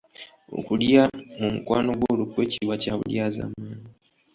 Okulya mu mukwano gwo olukwe kiba kya bulyazaamaanyi